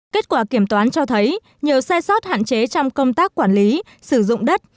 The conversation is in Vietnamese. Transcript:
kết quả kiểm toán cho thấy nhiều sai sót hạn chế trong công tác quản lý sử dụng đất